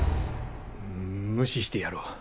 無視してやろう。